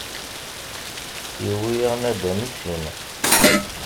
Yewwi-yaɣ nadam i sin.